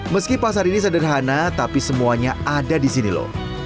meski pasar ini sederhana tapi semuanya ada di sini loh